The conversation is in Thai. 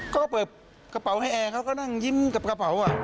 ก็เปิดกระเป๋าให้แอร์เขาก็นั่งยิ้มกับกระเป๋า